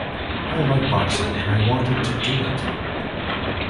I like boxing and I wanted to do it.